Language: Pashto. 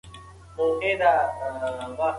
د ونې په ښاخونو باندې خلی کېږده.